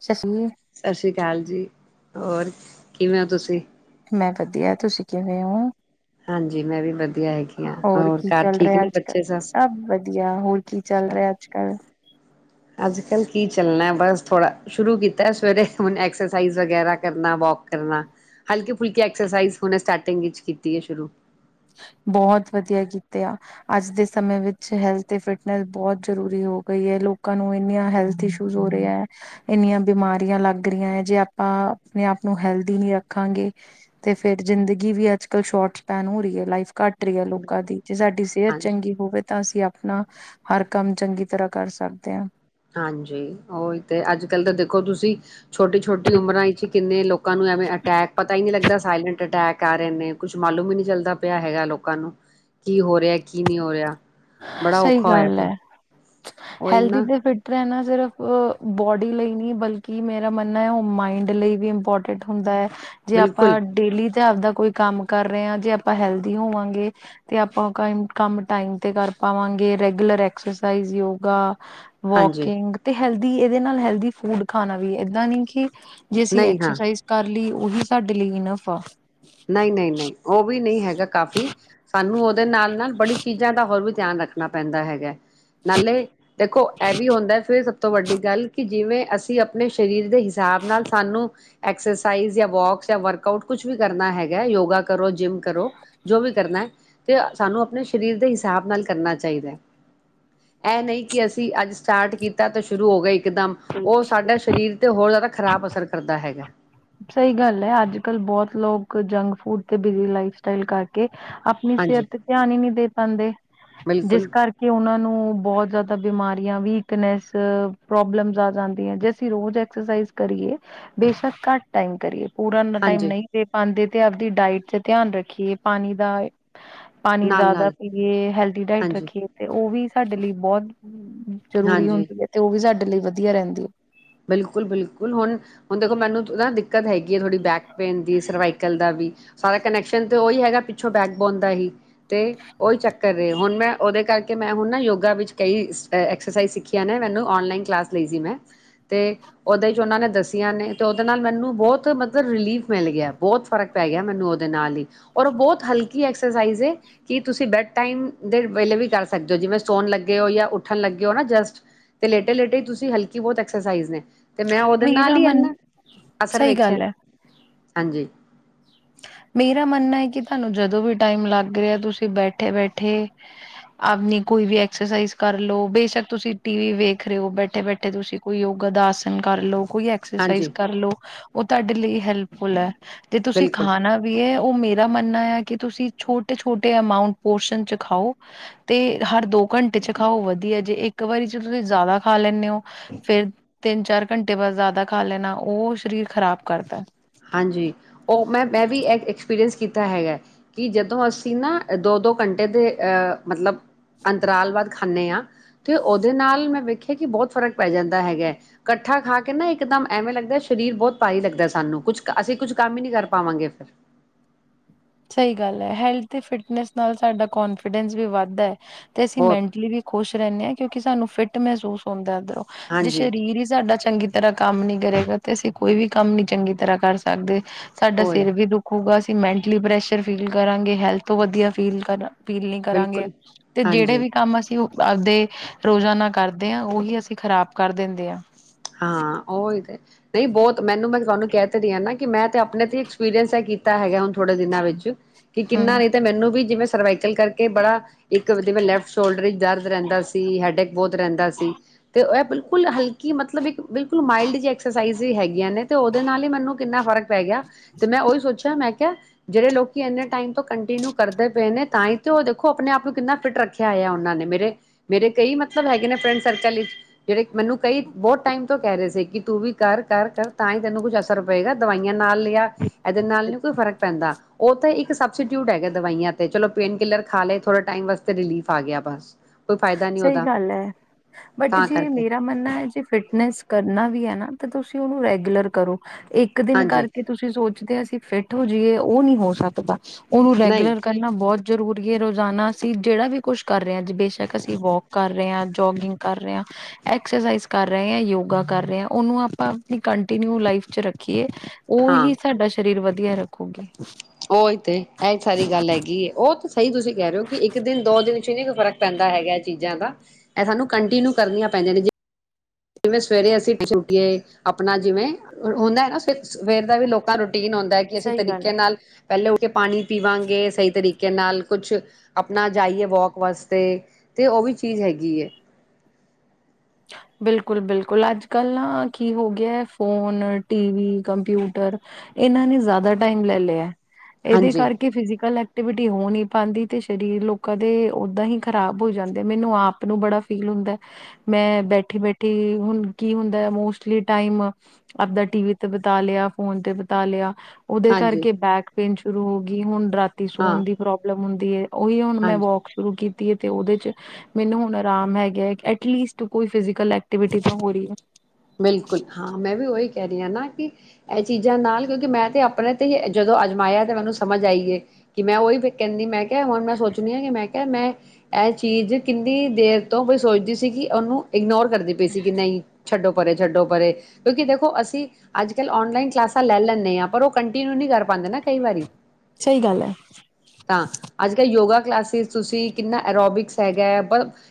ਸਸੀ ਸਤਿ ਸ੍ਰੀ ਅਕਾਲ ਜੀ। ਹੋਰ ਕਿਵੇਂ ਹੋ ਤੁਸੀਂ? ਮੈਂ ਵਧੀਆ, ਤੁਸੀਂ ਕਿਵੇਂ ਹੋ? ਹਾਂਜੀ ਮੈਂ ਵੀ ਵਧੀਆ ਹੈਗੀ ਹਾਂ ਹੋਰ ਕੀ ਘਰ ਚੱਲ ਠੀਕ ਰਿਹਾ ਨੇ ਅੱਜ ਕੱਲ, ਬੱਚੇ ਸਭ ਵਧੀਆ ਹੋਰ ਕੀ ਚੱਲ ਅੱਛਾ ਰਿਹਾ ਅੱਜ ਕੱਲ। ਅੱਜ ਕੱਲ ਕੀ ਚੱਲਣਾ ਬਸ ਥੋੜਾ ਸ਼ੁਰੂ ਕੀਤਾ ਸਵੇਰੇ ਹੁਣ ਐਕਸਰਸਾਈਜ਼ ਵਗੈਰਾ ਕਰਨਾ, ਵੋਕ ਕਰਨਾ, ਹਲਕੀ ਫੁਲਕੀ ਐਕਸਰਸਾਈਜ਼ ਹੁਣੇ ਸਟਾਰਟਿੰਗ ਵਿਚ ਕੀਤੀ ਹੈ ਸ਼ੁਰੂ। ਬਹੁਤ ਵਧੀਆ ਕੀਤੇ ਆ, ਅੱਜ ਦੇ ਸਮੇ ਵਿੱਚ ਹੈਲਥ ਤੇ ਫਿਟਨੈਸ ਬਹੁਤ ਜਰੂਰੀ ਹੋ ਗਈ ਹੈ, ਲੋਕਾਂ ਨੂੰ ਇੰਨੀਆਂ ਹੈਲਥ ਇਸ਼ੂਜ ਹੋ ਰਿਹਾ ਹੈ, ਇਨੀਆਂ ਬਿਮਾਰੀਆਂ ਲੱਗ ਰਹੀਆਂ ਹੈ, ਜੇ ਆਪਾਂ ਆਪਣੇ ਆਪ ਨੂੰ ਹੈਲਦੀ ਨੀ ਰੱਖਾਂਗੇ ਤੇ ਫ਼ੇਰ ਜ਼ਿੰਦਗੀ ਵੀ ਅੱਜ ਕੱਲ੍ਹ ਸ਼ੋਰਟ ਸਪੈਨ ਹੋ ਰਹੀ ਹੈ। ਲਾਈਫ ਘੱਟ ਫ਼ੇਰ ਆ ਲੋਕਾਂ ਦੀ ਜੇ ਸਾਡੀ ਸਿਹਤ ਹਾਂਜੀ। ਚੰਗੀ ਹੋਵੇ, ਤਾਂ ਅਸੀਂ ਆਪ ਨਾ ਹਰ ਕੰਮ ਚੰਗੀ ਤਰ੍ਹਾਂ ਕਰ ਸਕਦੇ ਹਾਂ। ਹਾਂਜੀ ਉਹੀ ਤੇ ਅੱਜ ਕੱਲ ਤਾਂ ਦੇਖੋ ਤੁਸੀਂ ਛੋਟੀ ਛੋਟੀ ਉਮਰਾਂ ਵਿਚੀਂ ਈ। ਕਿੰਨੇ ਲੋਕ। ਲੋਕਾਂ ਨੂੰ ਐਵੇਂ ਅਟੈਕ ਪਤਾ ਹੀ ਨੀ ਲੱਗਦਾ ਦਾ ਸਾਇਲੈਂਟ ਅਟੈਕ ਆ ਰਹੇ ਨੇ ਕੁੱਛ ਮਾਲੂਮ ਹੀ ਨਹੀਂ ਚੱਲਦਾ ਪਿਆ ਹੈਗਾ ਲੋਕਾਂ ਨੂੰ ਕੀ ਹੋ ਰਿਹਾ ਕੀ ਨਹੀਂ ਹੋ ਰਿਹਾ ਬੜਾ ਸਹੀ ਔਖਾ ਹੋਇਆ ਗੱਲ ਪਿਆ ਹੈ ਉਹੀ ਹੈਲਦੀ ਨਾ ਤੇ ਫਿਟ ਰਹਿਣਾ ਸਿਰਫ਼ ਬੋਡੀ ਲਈ ਨਹੀਂ ਬਲਕਿ ਮੇਰਾ ਮੰਨਣਾ ਹੈ ਉਹ ਮਾਇੰਡ ਲਈ ਵੀ ਇੰਪੋਰਟੈਂਟ ਹੁੰਦਾ ਹੈ ਜੇ ਆਪਾਂ ਬਿਲਕੁਲ ਡੇਲੀ ਤੇ ਆਪਦਾ ਕੋਈ ਕੰਮ ਕਰ ਰਹੇ ਹਾਂ ਜੇ ਆਪਾਂ ਹੈਲਦੀ ਹੋਵਾਂਗੇ ਤੇ ਆਪਾਂ ਕੰਮ ਟਾਈਮ ਤੇ ਕਰ ਪਾਵਾਂਗੇ ਰੈਗੂਲਰ ਐਕਸਰਸਾਈਜ਼ ਯੋਗਾ ਹਾਂਜੀ ਵੋਕਿੰਗ ਤੇ ਹੈਲਥ ਦੀ ਇਹਦੇ ਨਾਲ ਹੈਲਦੀ ਫੂਡ ਖਾਣਾ ਵੀ ਏਦਾਂ ਨਹੀ ਕਿ ਜੇ ਅਸੀਂ ਨਹੀਂ ਹਾਂ ਐਕਸਰਸਾਈਜ਼ ਕਰ ਲਈ ਉਹੀ ਸਾਡੇ ਲਈ ਇਨਫ ਆ ਨਹੀਂ ਨਹੀਂ ਨਹੀਂ ਉਹ ਵੀ ਨਹੀਂ ਹੈਗਾ ਕਾਫ਼ੀ ਸਾਨੂੰ ਦੇ ਨਾਲ ਨਾਲ ਬੜੀ ਚੀਜ਼ਾਂ ਦਾ ਹੋਰ ਵੀ ਧਿਆਨ ਰੱਖਣਾ ਪੈਂਦਾ ਹੈਗਾ ਨਾਲੇ ਦੇਖੋ ਇਹ ਵੀ ਹੁੰਦਾ ਫਿਰ ਸ ਤੋਂ ਵੱਡੀ ਗੱਲ ਕਿ ਜਿਵੇਂ ਅਸੀਂ ਆਪਣੇ ਸਰੀਰ ਦੇ ਹਿਸਾਬ ਨਾਲ ਸਾਨੂੰ ਐਕਸਰਸਾਈਜ਼ ਜਾਂ ਵੋਕਸ ਜਾਂ ਵਰਕ ਆਊਟ ਕੁਛ ਵੀ ਕਰਨਾ ਹੈਗਾ ਯੋਗਾ ਕਰੋ ਜਿੰਮ ਕਰੋ ਜੋ ਵੀ ਕਰਨਾ ਹੈ ਤੇ ਸਾਨੂੰ ਆਪਣੇ ਸਰੀਰ ਦੇ ਹਿਸਾਬ ਨਾਲ ਕਰਨਾ ਚਾਹੀਦਾ ਹੈ ਇਹ ਨਹੀਂ ਕਿ ਅਸੀਂ ਅੱਜ ਸਟਾਰਟ ਕੀਤਾ ਤਾਂ ਸ਼ੁਰੂ ਹੋ ਗਿਆ ਇਕਦਮ ਉਹ ਸਾਡਾ ਸਰੀਰ ਤੇ ਹੋਰ ਜ਼ਿਆਦਾ ਖ਼ਰਾਬ ਅਸਰ ਕਰਦਾ ਹੈਗਾ ਸਹੀ ਗੱਲ ਹੈ ਅੱਜ ਕੱਲ ਬਹੁਤ ਲੋਕ ਜੰਕ ਫੂਡ ਤੇ ਬਿਜ਼ੀ ਲਾਈਫ ਸਟਾਈਲ ਕਰਕੇ ਆਪਣੀ ਹਾਂਜੀ ਸਿਹਤ ਤੇ ਧਿਆਨ ਹੀ ਨਹੀਂ ਦੇ ਪਾਉਂਦੇ ਜਿਸ ਬਿਲਕੁਲ ਕਰਕੇ ਉਹਨਾਂ ਨੂੰ ਬਹੁਤ ਿਆਦਾ ਬਿਮਾਰੀਆਂ ਵੀਕਨਸ ਪ੍ਰੋਬਲਮਸ ਆ ਜਾਂਦੀਆਂ ਜੇ ਅਸੀਂ ਰੋਜ਼ ਐਕਸਰਸਾਈਜ਼ ਕਰੀਏ ਬੇਸ਼ੱਕ ਘੱਟ ਟੈਮ ਕਰੀ ਏ ਪੂਰਾ ਟਾਈਮ ਹਾਂਜੀ ਨਹੀਂ ਦੇ ਪਾਉਂਦੇ ਤੇ ਆਪਦੀ ਡਾਇਟ ਤੇ ਧਿਆਨ ਰੱਖੀਏ ਪਾਣੀ ਦਾ ਪਾਣੀ ਨਾਲ ਜ਼ਿਆਦਾ ਨਾਲ ਪੀਏ ਹੈਲਦੀ ਡਾਇਟ ਹਾਂਜੀ ਰੱਖੀਏ ਤੇ ਉਹ ਵੀ ਸਾਡੇ ਲਈ ਬਹੁਤ ਜ਼ਰੂਰੀ ਹਾਂਜੀ ਹੁੰਦੀ ਹੈ ਤੇ ਉਹ ਵੀ ਸਾਡੇ ਲਈ ਵਧੀਆ ਰਹਿੰਦੀ ਹੈ ਬਿਲਕੁਲ ਬਿਲਕੁਲ ਹੁਣ ਹੁਣ ਦੇਖੋ ਮੈਨੂੰ ਨਾ ਹੈਗੀ ਥੋੜੀ ਬੈਕ ਪੇਨ ਦੀ ਸਰਵਾਈਕਲ ਦਾ ਵੀ ਸਾਰਾ ਕਨੈਕਸ਼ਨ ਤੇ ਉਹੀ ਹੈਗਾ ਪਿੱਛੋਂ ਬੈਕ ਬੋਨ ਦਾ ਹੀ ਤੇ ਉਹੀ ਚੱਕਰ ਰਹੇ ਹੁਣ ਮੈਂ ਉਹਦੇ ਕਰਕੇ ਮੈਂ ਹੁਣ ਨਾ ਯੋਗਾ ਵਿੱਚ ਕਈਕਸ ਸਿੱਖੀਆਂ ਨੇ ਮੈਨੂੰ ਨਲਾਈਨ ਕਲਾਸ ਲਈ ਸੀ ਮੈਂ ਤੇ ਉਹਦੇ ਚ ਉਹਨਾਂ ਨੇ ਦੱਸੀਆਂ ਨੇ ਤੇ ਉਹਦੇ ਨਾਲ ਮੈਨੂੰ ਬਹੁਤ ਮਤਲਬ ਰਿਲੀਫ ਮਿਲ ਗਿਆ ਬਹੁਤ ਫ਼ਰਕ ਪੈ ਗਿਆ ਮੈਨੂੰ ਉਹਦੇ ਨਾਲ ਹੀ ਔਰ ਉਹ ਬਹੁਤ ਹਲਕੀ ਐਕਸਰਸਾਈਜ਼ ਏ ਕਿ ਤੁਸੀਂ ਬੈਡ ਟਾਈਮ ਦੇ ਵੇਲੇ ਵੀ ਕਰ ਸਕਦੇ ਹੋ ਜਿਵੇਂ ਸਟੋਨ ਲੱਗੇ ਹੋ ਜਾਂ ਉੱਠਣ ਲੱਗੇ ਹੋ ਨਾ ਜਸਟ ਤੇ ਲੇਟੇ ਲੇਟੇ ਤੁਸੀਂ ਹਲਕੀ ਬਹੁਤ ਐਕਸਰਸਾਈਜ਼ ਨੇ ਤੇ ਮੈਂ ਉਹਦੇ ਨਾਲ ਮੇਰਾ ਹੀ ਮਨ ਇਨਾ ਅਸਰ ਸਹੀ ਵੇਖਿਆ ਗੱਲ ਹੈ ਹਾਂਜੀ ਮੇਰਾ ਮੰਨਣਾ ਹੈ ਕਿ ਤੁਹਾਨੂੰ ਜਦੋ ਵੀ ਟਾਈਮ ਲੱਗ ਰਿਹਾ ਤੁਸੀਂ ਬੈਠੇ ਬੈਠੇ ਆਪਣੀ ਕੋਈ ਵੀ ਐਕਸਰਸਾਈਜ਼ ਕਰਲੋ ਬੇਸ਼ਕ ਤੁਸੀਂ ਟੀਵ ਵੇਖ ਰਹੇ ਹੋ ਬੈਠੇ ਬੈਠੇ ਤੁਸੀਂ ਕੋਈ ਯੋਗਾ ਦਾ ਆਸਨ ਕਰ ਲ ਕੋਈ ਐਕਸਰਸਾਈਜ਼ ਹਾਂਜੀ ਕਰਲੋ ਉਹ ਤੁਹਾਡੇ ਲਈ ਹੈਲਪਫੁਲ ਹੈ ਤੇ ਤੁਸੀਂ ਬਿਲਕੁਲ ਖਾਣਾ ਵੀ ਹੈ ਉਹ ਮੇਰਾ ਮੰਨਣਾ ਆ ਕਿ ਤੁਸੀਂ ਛੋਟੇ ਛੋਟੇ ਅਮਾਉਟ ਪੋਰ ਚ ਖਾਓ ਤੇ ਹਰ ਦੋ ਘੰਟੇ ਚ ਖਾਓ ਵਧੀਆ ਜੇ ਇੱਕ ਵਾਰੀ ਚ ਤੁਸੀਂ ਜ਼ਿਆਦਾ ਖਾ ਲੈਦੇ ਹੋ ਫੇਿਰ ਤਿੰਨ ਚਾਰ ਘੰਟੇ ਬਾਅਦ ਜ਼ਿਆਦਾ ਖਾ ਲੈਣਾ ਉਹ ਸਰੀਰ ਖਰਾਬ ਕਰਦਾ ਹਾਂਜੀ ਉਹ ਮੈਂ ਮੈਂ ਵੀ ਇੱਕ ਪਸ ਕੀਤਾ ਹੈਗਾ ਕਿ ਜਦੋਂ ਅਸੀਂ ਨਾ ਦੋ ਦੋ ਘੰਟੇ ਦੇ ਅਹ ਮਤਲਬ ਅੰਤਰਾਲ ਬਾਦ ਖਾਂਦੇ ਹਾਂ ਤੇ ਉਹਦੇ ਨਾਲ ਮੈਂ ਵੇਖਿਆ ਕਿ ਬਹੁਤ ਫ਼ਰਕ ਪੈ ਜਾਂਦਾ ਹੈਗਾ ਇਕੱਠਾ ਖਾ ਕੇ ਨਾ ਇੱਕਦਮ ਐਵੇਂ ਲੱਗਦਾ ਸਰੀਰ ਬਹੁਤ ਭਾਰੀ ਲੱਗਦਾ ਸਾਨੂੰ [inaudible] ਕੁਛ ਅਸੀਂ ਕੁਛ ਕੰਮ ਹੀ ਨਹੀਂੀ ਕਰ ਪਾਵਾਂਗੇ ਫਿਰ ਸਹੀ ਗੱਲ ਹੈ ਹੈਲਥ ਫਿਟਨੈਸ ਨਾਲ ਸਾਡਾ ਕੋਂਨਫੀਡੈਂਸ ਵੀ ਵੱਧਦਾ ਹੈ ਤੇ ਅਸੀਂ ਬਹੁਤ ਮੈਂਟਲੀ ਵੀ ਖੁਸ਼ ਰਹਿੰਦੇ ਹਾਂ ਕਿਉਂਕਿ ਸਾਨੂੰ ਫਿੱਟ ਮਹਿਸੂਸ ਹੁੰਦਾ ਜੇ ਹਾਂਜੀ ਸਰੀਰ ਹੀ ਸਾਡਾ ਚੰਗੀ ਤਰ੍ਹਾਂ ਕੰਮ ਨੀ ਕਰੇਗਾ ਤੇ ਅਸੀਂ ਕੋਈ ਵੀ ਕੰਮ ਨੀ ਚੰਗੀ ਤਰ੍ਹਾਂ ਕਰ ਸਕਦੇ ਸਾਡਾ ਹੋਏ ਸਿਰ ਵੀ ਦੁੱਖ ਹੋਊਗਾ ਸੀਮੈਂਟ ਪ੍ਰੈਸ਼ਰ ਫੀਲ ਕਰਾਂਗੇ ਹੈਲਥ ਤੋਂ ਵਧੀਆ ਫੀਲ ਕਰਾਂ ਅਪੀਲ ਨਹੀਂੀ ਕਰਾਂਗੇ ਬਿਲਕੁਲ ਤੇ ਹਾਂਜੀ ਜਿਹੜੇ ਵੀ ਕੰਮ ਅਸੀਂ ਆਪਦੇ ਰੋਜ਼ਾਨਾ ਕਰਦੇ ਹਾਂ ਉਹੀ ਅਸੀਂ ਖ਼ਰਾਬ ਕਰ ਦਿੰਦੇ ਹਾਂ ਹਾਂ ਉਹੀ ਤੇ ਨਹੀਂ ਬਹੁਤ ਮੈਨੂੰ ਮੈਂ ਤੁਹਾਨੂੰ ਕਹਿ ਦ ਰਹੀ ਹਾਂ ਨਾ ਕਿ ਮੈਂ ਤੇ ਆਪਣੇ ਤੇ ਐਕਸਪੀਰੀਅੰਸ ਕੀਤਾ ਹੈਗਾ ਹ ਥੋੜੇ ਦਿਨਾਂ ਵਿੱਚ ਕਿ ਕਿੰਨਾ ਹਮ ਨ ਤੇ ਮੈਨੂੰ ਵੀ ਜਿਵੇਂ [unintelligible] ਨਲ ਕਰਕੇ ਬੜਾ ਇੱਕ ਲੈਫਟ ਸ਼ੋਲਡਰ ਦਰਦ ਰਹਿੰਦਾ ਸੀ ਹੈਡੇਕ ਬਹੁਤ ਰਹਿੰਦਾ ਸੀ ਤੇ ਇਹ ਬਿਲਕੁਲ ਹਲਕੀ ਮਲਬ ਮਤਲਬ ਇੱਕ ਬਿਲਕੁਲ ਮਾਈਲਡ ਜਿ ਐਕਸਰਸਾਈਜ਼ ਵੀ ਹੈਗੀ ਨੇ ਤੇ ਉਹਦੇ ਨਾਲ ਹੀ ਮੈਨੂੰ ਕਿੰਨਾ ਫਰਕ ਪੈ ਗਿਆ ਤੇ ਮੈਂ ਉਹੀ ਸੋਚਿਆ ਮੈਂ ਜਿਹੜੇ ਲੋਕੀ ਇੰਨੇ ਟਾਈਮ ਤੋਂ ਕੰਟੀਨਿਊ ਕਰਦੇ ਪਏ ਨੇ ਤਾਂ ਹੀ ਤੇ ਉਹ ਦੇਖੋ ਆਪਣੇ ਆਪ ਨੂੰ ਕਿੰਨਾ ਫਿਟ ਰੱਖਿਆ ਹੋਇ ਉਹਨਾਂ ਨੇ ਮੇਰੇ ਮੇਰੇ ਕਈ ਮਤਲਬ ਹੈਗੇ ਨੇ ਫਰੈਂਡ ਸਰਕਲ ਵਿੱਚ ਜਿਹੜੇ ਮੈਨੂੰ ਕਈ ਬਹੁਤ ਟਾਈਮ ਤੋਂ ਕਹਿ ਰਹੇ ਸੀ ਕਿ ਤੂੰ ਵੀ ਕਰ ਕਰ ਕਰ ਤਾਂ ਹੀ ਤੈਨੂੰ ਕੁੱਛ ਅਸਰ ਪਏਗਾ ਦਵਾਈਆਂ ਨਾਲ ਲਿਆ ਇਹਦੇ ਨਾਲ ਨਹੀਂੀ ਕੋਈ ਫਰਕ ਪੈਂਦਾ ਉਹ ਤਾਂ ਇੱਕ ਸਬਸਟੀਟਿਊਟ ਹੈਗਾ ਦਵਾਈਆਂ ਤੇ ਚਲੋ ਪੇਨ ਕਿਲਰ ਖਾ ਲਏ ਥੋੜਾ ਟਾਈਮ ਵਾਸਤੇ ਰਿਲੀਫ ਆ ਗਿਆ ਬਸ ਕੋਈ ਫਾਇਦਾ ਨੀ ਸਹੀ ਉਹਦਾ ਗੱਲ ਹੈ ਬਟ ਤਾਂ ਜੇ ਕਰਕੇ ਮੇਰਾ ਮੰਨਣਾ ਹੈ ਜੇ ਫਿਟ ਫਿਨਸ ਕਰਨਾ ਵੀ ਹੈ ਨਾ ਤਾਂ ਤੁਸੀਂ ਉਹਨੂੰ ਰੈਗੂਲਰ ਕਰੋ ਇੱਕ ਦਿਨ ਹਾਂਜੀ ਕਰਕੇ ਤੁਸੀਂ ਸੋਚਦੇਸੀ ਫਿੱਟ ਹੋ ਜਾਈਏ ਉਹ ਨਹੀਂੀ ਹੋ ਸਕਦਾ ਉਹਨੂੰ ਨਹੀਂ ਰੈਗੂਲਰ ਕਰਨਾ ਬਹੁਤ ਜ਼ਰੂਰੀਏ ਰੋਜ਼ਾਨਾ ਅਸੀਂ ਜਿਹੜਾ ਵੀ ਕੁਛ ਕਰ ਰਹੇ ਹਾਂ ਅੱ ਬੇਸ਼ੱਕ ਜ ਅਸੀਂ ਵੋਕ ਕਰ ਰਹੇ ਹਾਂ ਜੋਗਿੰਗ ਕਰ ਰਹੇ ਹਾਂ ਐਕਸਰਸਾਈਜ਼ ਕਰ ਰਹੇ ਹ ਯੋਗਾ ਕਰ ਰਹੇ ਹਾਂ ਉਹਨੂੰ ਆਪਾਂ ਆਪਣੀ ਕੰਟੀਨਿਊ ਲਾਈਫ ਚ ਰੱਖੀਏ ਹਾਂ ਉਹੀ ਸਾਡਾ ਸਰੀਰ ਵਧਆ ਵਧੀਆ ਰੱਖੋਗੇ ਉਹੀ ਤੇ ਇਹ ਸਾਰੀ ਗੱਲ ਹੈਗੀ ਉਹ ਸਹੀ ਤੁਸੀਂ ਕਹਿ ਰਹੇ ਹੋ ਕਿ ਇੱਕ ਦਿਨ ਦੋ ਦਿਨ ਚ ਹੀ ਨਹੀਂ ਕੋਈ ਫ਼ਰਕ ਪੈਂਦਾ ਹੈਗਾ ਚੀਜ਼ਾਂ ਦਾ ਇਹ ਸਾਨੂੰ ਕੰਟੀਨਿਊ ਕਰਨੀਆਂ ਪੈਂਦੀਆਂ ਨੇ ਜਿਵੇਂ ਸਵੇਰੇ ਅਸੀਂ ਛੁਠਏ ਆਪਣਾ ਜਿਵੇਂ ਹੁੰਦਾ ਹੈ ਨਾ ਸਵੇਰ ਦਾ ਵੀ ਲੋਕਾਂ ਰੂਟੀਨ ਆਉਂਦਾ ਹੈ ਕਿ ਅਸੀਂ ਸਹੀ ਗੱਲ ਹੈ। ਤਰੀਕੇ ਨਾਲ ਪਹਿਲੇ ਉੱਠ ਕੇ ਪਾਣੀ ਪੀਵਾਂਗੇ ਸਹੀ ਤਰੀਕੇ ਨਾਲ ਕੁਛ ਆਪਣਾ ਜਾਈਏ ਵੋਕ ਵਾਸਤੇ ਤੇ ਉਹ ਵੀ ਚੀਜ਼ ਹੈਗੀ ਹੈ ਬਿਲਕੁਲ ਬਿਲਕੁਲ ਅੱਜ ਕੱਲ ਨਾ ਕੀ ਹੋ ਗਿਆ ਫੋਨ ਟੀਵੀ ਕੰਪਿਊਟਰ ਇਹਨਾਂ ਨੇ ਜ਼ਿਆਦਾ ਟਾਈਮ ਲੈ ਲਿਆ ਇਹਦੇ ਹਾਂਜੀ ਕਰਕੇ ਫਿਜ਼ਕਲ ਐਕਟੀਵਿਟੀ ਹੋ ਨਹੀਂੀ ਪਾਉਂਦੀ ਤੇ ਸਰੀਰ ਲੋਕਾਂ ਦੇ ਓਦਾਂ ਹੀ ਖ਼ਰਾਬ ਹੋ ਜਾਂਦੇ ਮੈਨੂੰ ਆਪ ਨੂੰ ਬੜਾ ਫੀਲ ਹੁੰਦਾ ਮੈਂ ਬੈਠੀ ਬੈਠੀ ਹੁਣ ਕੀ ਹੁੰਦਾ ਹੈ ਮੋਸਟਲੀ ਟਮ ਆਪਦਾ ਟੀਵ ਤੇ ਬਿਤਾ ਲਿਆ ਫੋਨ ਤੇ ਬਿਤਾ ਲਿਆ ਉਹਦੇ ਹਾਂਜੀ ਕਰਕੇ ਬੈਕ ਪਣ ਸ਼ੁਰੂ ਹੋ ਗਈ ਹੁਣ ਡਰੱਗ ਹਾਂ ਸੋਨ ਦੀ ਪ੍ਰੋਬਲਮ ਹੁੰਦੀ ਦੀ ਉਹੀ ਹੁਣ ਮੈਂ ਹਾਂਜੀ ਵੋਕ ਸ਼ੁਰੂ ਕੀਤੀ ਤੇ ਉਹਦੇ ਚ ਮੈਨੂੰ ਹੁਣ ਆਰਾਮ ਹੈਗਾ ਹੈ ਐਟਲੀਸਟ ਕੋਈ ਫਿਜ਼ਕਲ ਐਕਟੀਵਿਟੀ ਤਾਂ ਹੋ ਰਹੀ ਹੈ ਬਿਲਕੁਲ ਹਾਂ ਮੈਂ ਵੀ ਉਹੀ ਕਹਿ ਰਹੀ ਹ ਨਾ ਕਿ ਇਹ ਚੀਜ਼ਾਂ ਨਾਲ ਕਿਉਂਕਿ ਮੈਂ ਤੇ ਆਪਣੇ ਤੇ ਹੀ ਜਦੋਂ ਅਜਮਾਇਆ ਤੇ ਮੈਨੂੰ ਸਮਝ ਆਈਏ ਕਿ ਮੈਂ ਉਹੀ ਕਹਿੰਦੀ ਮੈਂ ਕਿਹਾ ਹੁਣ ਮੈਂ ਸੋਚਣੀ ਹਾਂ ਕਿ ਮੈਂ ਕਿਹਾ ਮੈਂ ਇਹ ਚੀਜ਼ ਕਿੰਨੀ ਦੇਰ ਤੋਂਈ ਸੋਚਦੀ ਸੀ ਕਿ ਉਹਨੂੰ ਇਗਨੋਰ ਕਰਦੇ ਪਏ ਸੀ ਕਿ ਨਹੀਂ ਛੱਡੋ ਪਰੇ ਛੱਡੋ ਪਰੇ ਕਿਉਂਕਿ ਦੇਖੋ ਅਸੀਂ ਅੱਜ ਕੱਲ ਔਨਲਾਈਨ ਕਲਾਸਾਂ ਲੈ ਲੈਂਦੇ ਹਾਂ ਪਰ ਉਹ ਕੰਟੀਨਿਊ ਨਹੀਂ ਕਰ ਪਾਉਂਦੇ ਨਾ ਕਈ ਵਾਰੀ ਸਹੀ ਗੱਲ ਹੈ। ਤਾਂ ਅੱਜ ਕੱਲ੍ਹ ਯੋਗਾ ਕਲਾਸਿਸ ਤੁਸੀਂ ਕਿੰਨਾ ਐਰੋਬਿਕਸ ਹੈਗਾ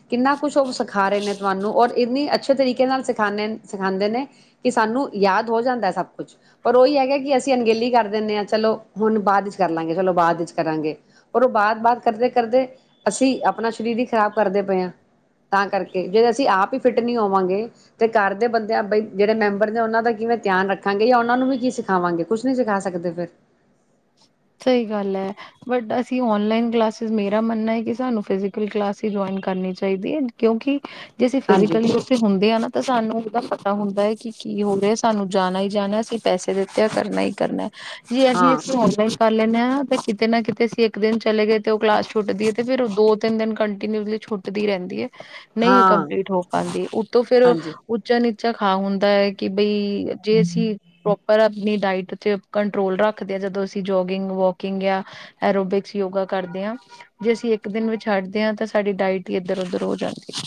ਕਿੰਨਾ ਕੁਛ ਉਹ ਸਿਖਾ ਰਹੇ ਨੇ ਤੁਹਾਨੂੰ ਔਰ ਇੰਨੀ ਅੱਛੇ ਤਰੀਕੇ ਨਾਲ ਸਿਖਦੇ ਸਿਖਾਉਂਦੇ ਨੇ ਕਿ ਸਾਨੂੰ ਯਾਦ ਹੋ ਜਾਂਦਾ ਸਭ ਕੁਛ ਪਰ ਉਹੀ ਹੈਗਾ ਕਿ ਅਸੀਂ ਅਣਗੇਲੀ ਕਰ ਦਿੰਦੇ ਹਾਂ ਚਲੋ ਹੁਣ ਬਾਅਦ ਚ ਕਰ ਲਾਂਗੇ ਚਲੋ ਬਾਅਦ ਵਿੱਚ ਕਰਾਂਗੇ ਪਰ ਉਹ ਬਾਅਦ ਬਾਅਦ ਕਰਦੇ ਕਰਦੇ ਅਸੀਂ ਆਪਣਾ ਸਰੀਰ ਹੀ ਖ਼ਰਾਬ ਕਰਦੇ ਪਏ ਹਾਂ ਤਾਂ ਕਰਕੇ ਜੇ ਅਸੀਂ ਆਪ ਹੀ ਫਿੱਟ ਨਹੀਂ ਹੋਵਾਂਗੇ ਤੇ ਘਰ ਦੇ ਬੰਦਿਆਂ ਬ ਜਿਹੜੇ ਮੈਂਬਰ ਨੇ ਉਹਨਾਂ ਦਾ ਕਿਵੇਂ ਧਿਆਨ ਰੱਖਾਂਗੇ ਜਾਂ ਉਹਨਾਂ ਨੂੰ ਵੀ ਕੀ ਸਿਖਾਵਾਂਗੇ ਕੁਛ ਨੀ ਸਿਖਾ ਸਕਦੇ ਫਿਰ ਸਹੀ ਗੱਲ ਹੈ ਬਟ ਅਸੀਂ ਨਲਾਨ ਕਲਾਸਿਸ ਮੇਰਾ ਮੰਨਣਾ ਹੈ ਕਿ ਸਾਨੂੰ ਫਿਕਲ ਕਲਾਸ ਜੁਇਨ ਕਰਨੀ ਚਾਹੀਦੀ ਹੈ ਕਿਉਂਕਿ ਜੇ ਅਸੀਂ ਹਾਂਜੀ ਫਿਜ਼ਕਲੀ ਹੁੰਦੇ ਆ ਨਾ ਤਾਂ ਸਾਨੂੰ ਦਾ ਪਤਾ ਹੁੰਦਾ ਹੈ ਕਿ ਕੀ ਹੋ ਰਿਹਾ ਸਾਨੂੰ ਜਾਣਾ ਹੀ ਜਾਣਾ ਅਸੀਂ ਪੈਸੇ ਦਿੱਤੇ ਆ ਕਰਨਾ ਹੀ ਕਰਨਾ ਜੇ ਅਸੀਂ ਹਾਂ ਇੱਕ ਸਦਾ ਹੀ ਕਰ ਲੈਂਦੇ ਹਾਂ ਤੇ ਕਿਤੇ ਨਾ ਕਿਤੇ ਅਸੀਂ ਇੱਕ ਦਿਨ ਚਲੇ ਗਏ ਤੇ ਉਹ ਕਲਾਸ ਛੁੱਟਦੀ ਹੈ ਤੇ ਫੇਿਰ ਉਹ ਦੋ ਤਿੰਨ ਦਿਨ ਕੰਟੀਨਿਊਸਲੀ ਛੁੱਟਦੀ ਰਹਿੰਦੀ ਹੈ ਨਹੀਂ ਹਾਂ ਕੰਪਲੀਟ ਹੋ ਪਾਉਂਦੀ ਉਤੋਂ ਫੇਿਰ ਹਾਂਜੀ ਉੱਚਾ ਨ ੱਚਾ ਖਾ ਹੁੰਦਾ ਹੈ ਕਿ ਬਈ ਜੇ ਅਸੀਂ ਪ੍ਰੋਪਰ ਆਪਣੀ ਡਾਇਟ ਉ ਕੰਟਰੋਲ ਰੱਖਦੇ ਹਾਂ ਜਦੋਂ ਅਸੀਂ ਜੋਗਿੰਗ ਵੋਕਿੰਗ ਜਾਂ ਐਰੋਬਿਕਸ ਯੋਗਾ ਕਰਦੇ ਹਾਂ ਜੇ ਅਸੀਂ ਇੱਕ ਦਿਨ ਵਿੱਚ ਛਡਦੇ ਹਾਂ ਤਾਂ ਸਾਡੀ ਡਾਇਟ ਹੀ ਇਧਰ ਉਧਰ ਹੋ ਜਾਂਦੀ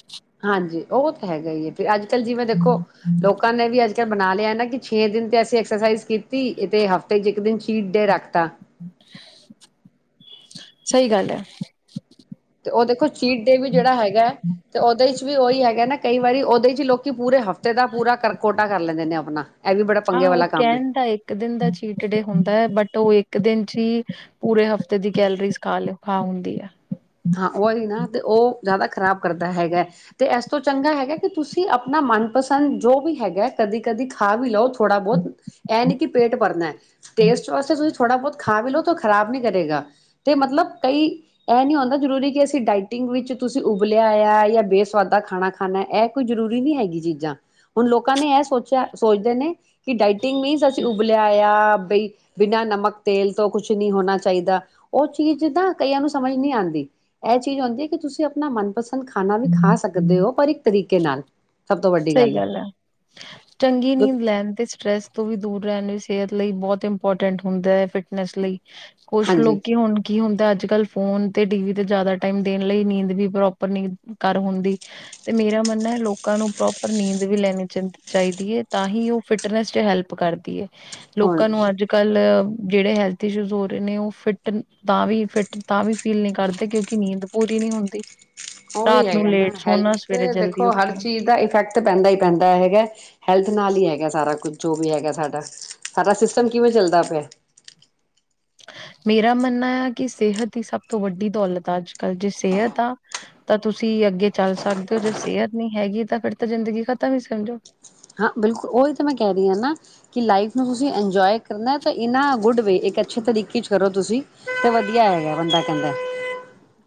ਹਾਂਜੀ ਉਹ ਤਾਂ ਹੈਗਾ ਹੀ ਹੈ ਫ ਅੱਜ ਕੱਲ ਜਿਵੇਂ ਦੇਖੋ ਲੋਕਾਂ ਨੇ ਵੀ ਅੱਜ ਬਣਾ ਲਿਆ ਨਾ ਕਿ ਛੇ ਦਿਨ ਤੇ ਅਸੀਂ ਅ ਐਕਸਰਸਾਈਜ਼ ਕੀਤੀ ਇਹ ਤੇ ਹਫ਼ਤੇ ਚ ਇੱਕ ਦਿਨ ਚੀਟ ਡੇ ਰੱਖਤਾ ਸਹੀ ਗੱਲ ਹੈ ਤੇ ਉਹ ਦੇਖੋ ਸੀਟ ਦੇ ਵੀ ਜਿਹੜਾ ਹੈਗਾ ਹੈ ਤੇ ਉਹਦੇ ਚ ਵੀ ਉਹੀ ਹੈ ਹੈਗਾ ਨਾ ਕਈ ਵਾਰੀ ਉਹਦੇ ਚ ਲੋਕੀ ਪੂਰੇ ਹਫ਼ਤੇ ਦਾ ਪੂਰਾ ਕਰ ਕੋਟਾ ਕਰ ਲੈਂਦੇ ਨੇ ਆਪਣਾ ਇਹ ਵੀ ਬੜਾ ਪੰਗੇ ਹਾਂ ਉਹ ਵਾਲਾ ਕੰਮ ਕਹਿਣ ਦਾ ਇੱਕ ਦਿਨ ਦਾ ਚੀਟ ਡੇ ਹੁੰਦਾ ਹੈ ਬਟ ਉਹ ਇੱਕ ਇੱਕ ਦਿਨ ਚ ਹੀ ਪੂਰੇ ਹਫ਼ਤੇ ਇੱ ਦੀ ਕਲਰੀਸ ਖ ਲਓ ਖਾ ਹੁੰਦੀ ਆ ਹਾਂ ਉਹ ਹੀ ਨਾ ਤੇ ਉਹ ਜ਼ਿਆਦਾ ਖ਼ਰਾਬ ਕਰਦਾ ਹੈਗਾ ਤੇ ਇਸ ਤੋਂ ਚੰਗਾ ਹੈਗਾ ਕਿ ਤੁਸੀਂ ਆਪਣਾ ਮਨਪਸੰਦ ਜੋ ਵੀ ਹੈਗਾ ਕਦੀ ਕਦੀ ਖਾ ਵੀ ਲਓ ਥੋੜਾ ਬਹੁਤ ਇਹ ਨਹੀਂ ਕਿ ਪੇਟ ਭਰਨਾ ਟੇਸਟ ਵਾਸਤੇ ਤੁਸੀਂ ਥੋੜਾ ਬਹੁਤ ਖਾ ਵੀ ਲੋਓ ਤਾਂ ਖਰਾਬ ਨੀ ਕਰੇਗਾ ਤੇ ਮਤਲਬ ਕਈ ਇਹ ਨੀ ਹੁੰਦਾ ਜ਼ਰੂਰੀ ਕਿ ਅਸੀਂ ਡਾਇਟਿੰਗ ਵਿੱਚ ਤੁਸੀਂ ਉਬਲਿਆ ਆਇ ਜਾਂ ਬੇਸਵਾਦਾ ਖਾਣਾ ਖਾਣਾ ਇਹ ਕੋਈ ਜ਼ਰੂਰੀ ਨਹੀਂ ਹੈਗੀ ਚੀਜ਼ਾਂ ਹੁਣ ਲੋਕਾਂ ਨੇ ਇਹ ਸੋਚ ਛ ਸੋਚਦੇ ਨੇ ਕਿ ਡਾਇਟਿੰਗ ਮੀਨਸ ਅਸੀਂ ਉਬਲਿਆ ਹੋਇਆ ਬਈ ਬਿਨਾਂ ਨਮਕ, ਤੇਲ ਤੋਂ ਕੁਛ ਨਹੀਂ ਹੋਣਾ ਚਾਹੀਦਾ ਉਹ ਚੀਜ਼ ਨਾ ਕਈਆਂ ਨੂੰ ਸਮਝ ਨੀ ਆਂਦੀ। ਇਹ ਚੀਜ਼ ਆਉੁੰਦੀ ਹੈ ਕਿ ਤੁਸੀਂ ਆਪਣਾ ਮਨਪਸ ਨਾਲ ਸਭ ਤੋਂ ਵੱਡੀ ਸਹੀ ਗੱਲ ਹੈ ਚੰਗੀ ਨੀਂਦ ਲੈਣ ਤੇ ਸਟਰ੍ਰੈਸ ਤੋਂ ਵੀ ਦੂਰ ਰਹਿਣ ਇਚ ਸਿਹਤ ਲਈ ਬਹੁਤ ਇੰਪੋਰਟੈਂਟ ਹੁੰਦਾ ਫਿਟਨੈਸ ਲਈ। ਕੁਛ ਹਾਂਜੀ ਲੋਕੀ ਹੁਣ ਕੀ ਹੁੰ ਅੱਜ ਕਲ ਫੋਨ ਤੇ ਟੀ ਵੀ ਤੇ ਜ਼ਿਆਦਾ ਟਾਈਮ ਦੇਣ ਲਈ ਨੀਂਦ ਵੀ ਪ੍ਰੋਪਰ ਨੀ ਕਰ ਹੁੰਦੀ ਤੇ ਮੇਰਾ ਮੰਨਣਾ ਹੈ ਲੋਕਾਂ ਨੂੰ ਪ੍ਰੋਪਰ ਨੀਂਦ ਵੀ ਲੈਣੀ ਚ ਚਾਹੀਦੀ ਹੈ ਤਾਂ ਹੀ ਉਹ ਫਿਟਨੈਸ ਚ ਹੈਲਪ ਕਰਦੀ ਹੈ। ਹੁਣ ਲੋਕਾਂ ਨੂੰ ਅੱਜ ਕੱਲ ਜਿਹੜੇ ਹੈਲਥ ਇਸ਼ੂਜ ਹੋ ਰਹੇ ਨੇ ਉਹ ਫਿਟ ਤਾਂ ਵੀ ਫਿਟ ਤਾਂ ਵੀ ਫੀਲ ਨਹੀਂ ਕਰਦੇ ਕਿਉਂਕਿ ਨੀਂਦ ਪੂਰੀ ਨੀ ਹੁੰਦੀ। ਉਹੀ ਰਾਤ ਨੂੰ ਹੈਗਾ ਨਾ ਲੇਟ ਸੋਣਾ ਹੈਲਥ ਸਵੇਰੇ ਜਲਦੀ ਦੇਖੋ ਹਰ ਉੱਠਣਾ। ਚੀਜ਼ ਦਾ ਇਫੈਕਟ ਪੈਂਦਾ ਹੀ ਪੈਂਦਾ ਹੈਗਾ। ਹੈਲਥ ਨਾਲ ਹੀ ਹੈਗਾ ਸਾਰਾ ਕੁਛ ਜੋ ਵੀ ਹੈਗਾ ਸਾਡਾ, ਸਾਡਾ ਸਿਸਟਮ ਕਿਵੇਂ ਚੱਲਦਾ ਪਿਆ। ਮੇਰਾ ਮੰਨਣਾ ਆ ਕਿ ਸਿਹਤ ਦੀ ਸਭ ਤੋਂ ਵੱਡੀ ਦੌਲਤ ਆ ਅੱਜ ਕੱਲ, ਜੇ ਸਿਹਤ ਆ ਤਾਂ ਤੁਸੀਂ ਅੱਗੇ ਚੱਲ ਸਕਦੇ ਹੋ, ਜੇ ਸਿਹਤ ਨਹੀਂ ਹੈਗੀ ਤਾਂ ਫਿਰ ਤਾਂ ਜ਼ਿੰਦਗੀ ਖ਼ਤਮ ਹੀ ਸਮਝੋ। ਹਾਂ ਬਿਲਕੁਲ ਉਹੀ ਤਾਂ ਮੈਂ ਕਹਿ ਰਹੀ ਹਾਂ ਨਾ ਕਿ ਲਾਈਫ ਨੂੰ ਤੁਸੀਂ ਇੰਜੋਏ ਕਰਨਾ ਇਨ ਗੁੱਡ ਵੇ ਇੱਕ ਅੱਛੇ ਤਰੀਕੇ ਚ ਕਰੋ। ਤੁਸੀਂ ਤੇ ਵਧੀਆ ਹੈਗਾ ਬੰਦਾ ਕਹਿੰਦਾ।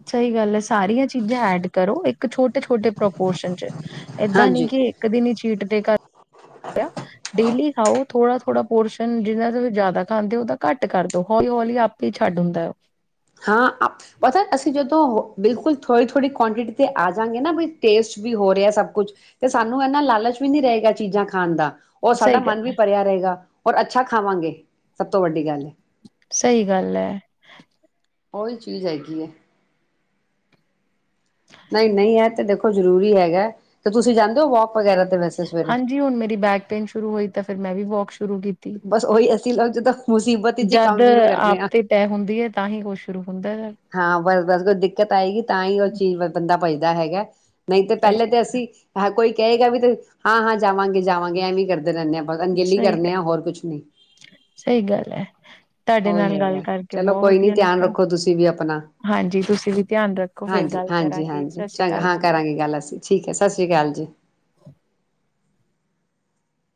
ਸਹੀ ਗੱਲ ਹੈ ਸਾਰੀਆਂ ਚੀਜ਼ਾਂ ਐਡ ਕਰੋ ਇੱਕ ਛੋ ਟੇ ਪ੍ਰਪੋਰਸ਼ਨ ਚ ਏਦਾਂ ਨੀ ਹਾਂਜੀ ਕਿ ਇੱਕ ਦਿਨ ਹੀ ਚੀਟ ਡੇ ਕਰ ਆ ਡੇਲੀ ਖਾਓ। ਥੋੜਾ-ਥੋੜਾ ਪੋਰਸ਼ਨ ਜਿਨਾ ਤੁਸੀਂ ਜ਼ਿਆਦਾ ਖਾਂਦੇ ਹੋ ਉਹ ਤਾਂ ਘਟ ਕਰ ਦਿਉ ਹੌਲੀ-ਹੌਲੀ ਆਪੇ ਹੀ ਛੱਡ ਹੁੰਦਾ ਉਹ। ਹਾਂ ਪਤਾ ਅਸੀਂ ਜਦੋਂ ਬਿਲਕੁਲ ਥੋੜ੍ਹੀ-ਥੋੜ੍ਹੀ ਕੁਆਂਟਿਟੀ ਆ ਜਾਂਗੇ ਨਾ ਬ ਟੇਸਟ ਵੀ ਹੋ ਰਿਹਾ ਸਭ ਕੁਛ ਤੇ ਸਾਨੂੰ ਇਨਾ ਲਾਲਚ ਵੀ ਨਹੀਂ ਰਹੇਗਾ ਚੀਜ਼ਾਂ ਖਾਣ ਦਾ। ਉਹ ਸਾਡਾ ਸਹੀ ਮਨ ਗੱਲ ਵੀ ਹੈ ਭਰਿਆ ਰਹੇਗਾ। ਔਰ ਅੱਛਾ ਖਾਵਾਂਗੇ ਸਭ ਤੋਂ ਵੱਡੀ ਗੱਲ ਹੈ। ਸਹੀ ਗੱਲ ਹੈ। ਉਹੀ ਚੀਜ਼ ਹੈਗੀ ਹੈ। ਨਹੀਂ-ਨਹੀਂ ਇਹ ਦੇਖੋ ਜਰੂਰੀ ਹੈਗਾ ਤੇ ਤੁਸੀਂ ਜਾਂਦੇ ਹੋ ਵੋਕ ਵਗੈਰਾ ਤੇ ਵੈਸੇ ਸਵੇਰੇ ਹਾਂਜੀ ਹੁਣ ਮੇਰੀ ਬੈਕ ਪੇਨ ਸ਼ੁਰੂ ਹੋਈ ਤਾਂ ਫਿਰ ਮੈਂ ਵੀ ਵੋਕ ਸ਼ੁਰੂ ਕੀਤੀ। [unintelligible] ਮੁਸੀਬਤ ਵਿੱਚ ਹੀ ਜਦ ਕੰਮ ਸ਼ੁਰੂ ਕਰਨੇ ਆਪ ਆ। ਤੇ ਤੈਅ ਹੁੰਦੀ ਹੈ ਤਾਂ ਹੀ ਕੁਛ ਸ਼ੁਰੂ ਹੁੰਦਾ ਹੈ। ਹਾ ਬਸ ਬਸ ਕੋਈ ਦਿੱਕਤ ਆਏਗੀ ਤਾਂ ਹੀ ਉਹ ਚੀਜ਼ ਵਲ ਬੰਦਾ ਭੱਜ ਦਾ ਹੈਗਾ। ਨਹੀਂ ਤੇ ਸਹੀ ਪਹਿਲੇ ਗੱਲ, ਤਾਂ ਅਸੀਂ ਹੈ ਕੋਈ ਕਹੇਗਾ ਵੀ ਹਾਂ, ਹਾਂ ਜਾਵਾਂਗੇ-ਜਾਵਾਂਗੇ ਐਵੇਂ ਕਰ ਰਹਿਨੇ ਆ ਅਣਗਲੀ ਸਹੀ ਗੱਲ, ਕਰਨੇ ਆ ਹੋਰ ਕੁਛ ਨੀ ਸਹੀ ਗੱਲ ਹੈ ਤੁਹਾਡੇ ਉਹੀ ਨਾਲ ਗੱਲ ਹੈਗਾ ਕਰਕੇ ਚਲੋ ਬਹੁਤ ਕੋਈ ਨੀ ਵਧੀਆ ਧਿਆਨ ਲੱਗਾ ਰੱਖੋ ਤੁਸੀਂ ਵੀ ਆਪਣਾ ਹਾਂਜੀ ਤੁਸੀਂ ਵੀ ਧਿਆਨ ਰੱਖੋ ਫੇਰ ਗੱਲ ਹਾਂਜੀ-ਹਾਂਜੀ, ਕਰਾਂਗੇ ਹਾਂਜੀ ਸਤਿ ਸ੍ਰੀ ਚੰ ਅਕਾਲ ਹਾਂ ਜੀ ਕਰਾਂਗੇ ਗੱਲ ਅਸੀਂ ਠੀਕ ਹੈ ਸਤਿ ਸ੍ਰੀ ਅਕਾਲ ਜੀ।